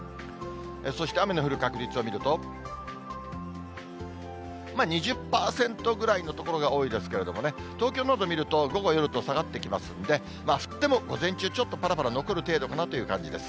そして雨の降る確率を見てみると、２０％ぐらいの所が多いですけれどもね、東京などを見ると、午後、夜と下がってきますので、降っても午前中、ちょっとぱらぱら残る程度かなという感じです。